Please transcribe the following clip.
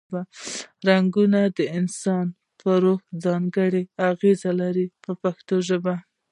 رنګونه د انسان په روح ځانګړې اغیزې لري په پښتو ژبه.